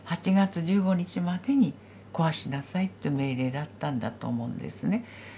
８月１５日までに壊しなさいっていう命令だったんだと思うんですね。